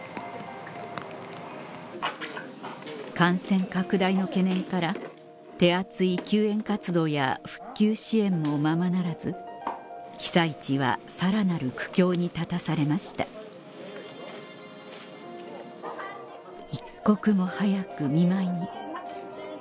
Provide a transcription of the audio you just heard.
感染拡大の懸念から手厚い救援活動や復旧支援もままならず被災地はさらなる苦境に立たされました「一刻も早く見舞いに」